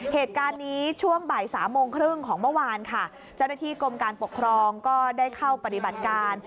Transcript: เหตุการณ์นี้ช่วงบ่ายสามโมงครึ่งของเมื่อวานค่ะเจ้าหน้าที่กรมการปกครองก็ได้เข้าปฏิบัติการ